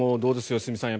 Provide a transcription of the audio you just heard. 良純さん。